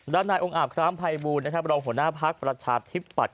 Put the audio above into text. ด้านนายองค์อาบครามพัยบูรณ์ประดองหัวหน้าภักร์ประชาธิปัตย์